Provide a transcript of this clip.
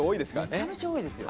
めちゃめちゃ多いですよ。